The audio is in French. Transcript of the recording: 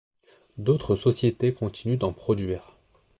D'autres sociétés continuent d'en produire.